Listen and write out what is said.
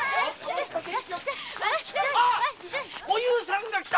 あッおゆうさんが来た。